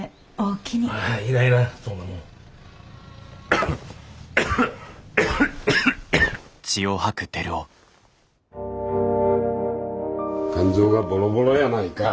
肝臓がボロボロやないか。